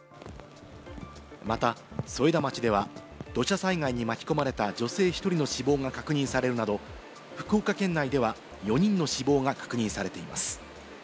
また添田町では、土砂災害に巻き込まれた女性１人の死亡が確認されるなど、福岡県内では４人の死亡が確認されています。